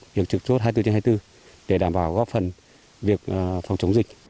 việc trực chốt hai mươi bốn trên hai mươi bốn để đảm bảo góp phần việc phòng chống dịch